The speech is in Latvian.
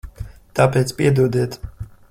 Tāpēc piedodiet.